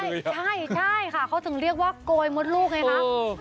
ใช่ค่ะเขาคือเรียกว่าโกยมดลูกเลยครับ